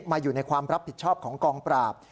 มาอยู่ในความรับผิดชอบของกองปราบ